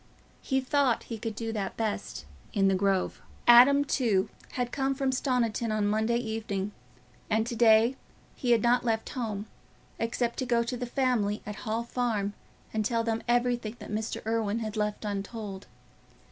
He thought he could do that best in the Grove. Adam too had come from Stoniton on Monday evening, and to day he had not left home, except to go to the family at the Hall Farm and tell them everything that Mr. Irwine had left untold.